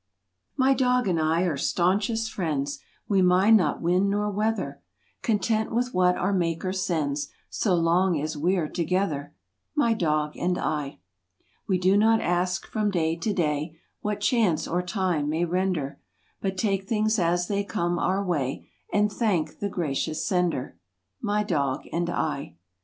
m y dog and I are staunchest friends; We mind not wind nor weather; Content with what our Maker sends So long as we're together— My dog and I. We do not ask from day to day What chance or time may render, But take things as they come our way And thank the gracious Sender— My dog and I.